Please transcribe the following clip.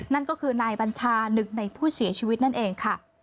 นั่นก็คือนายบัญชาหนึ่งในผู้เสียชีวิตนั่นเองค่ะ